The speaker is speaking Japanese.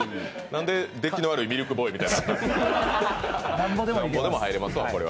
なんで、出来の悪いミルクボーイみたいになって。